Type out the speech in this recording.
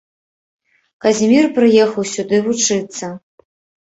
Казімір прыехаў сюды вучыцца.